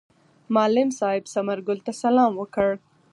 معلم صاحب ثمر ګل ته سلام وکړ.